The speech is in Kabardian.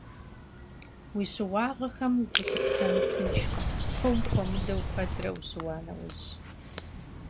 Уи щыуагъэхэм гу лъыптэну тыншкъым, псом хуэмыдэу, куэдрэ ущыуа нэужь.